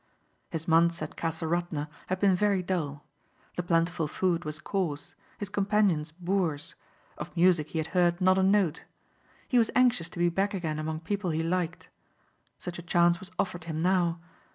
His months at Castle Radna had been very dull. The plentiful food was coarse; his companions boors; of music he had heard not a note. He was anxious to be back again among people he liked. Such a chance was offered him now.